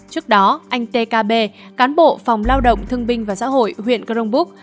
trước đó anh t k b cán bộ phòng lao động thương binh và xã hội huyện cronbúc